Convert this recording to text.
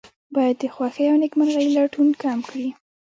باید د خوښۍ او نیکمرغۍ لټون کم کړي.